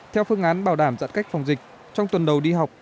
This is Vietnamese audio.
theo phương án bảo đảm giãn cách phòng dịch trong tuần đầu đi học